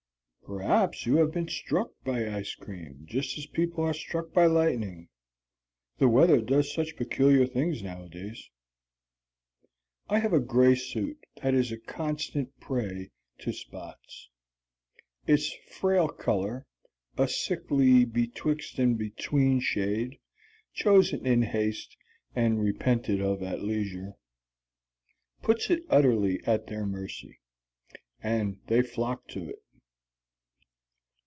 Perhaps you have been struck by ice cream, just as people are struck by lightning. The weather does such peculiar things nowadays. I have a gray suit that is a constant prey to spots. Its frail color a sickly, betwixt and between shade, chosen in haste and repented of at leisure puts it utterly at their mercy. And they flock to it.